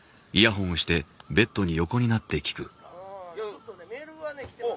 「ちょっとねメールがね来てますね」